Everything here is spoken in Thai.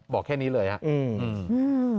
บอกแค่นี้เลยครับ